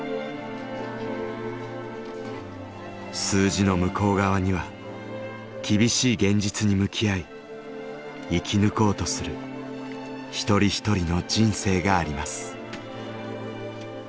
数字の向こう側には厳しい現実に向き合い生き抜こうとする一人一人の人生があります。